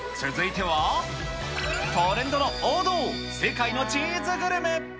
続いては、トレンドの王道、世界のチーズグルメ。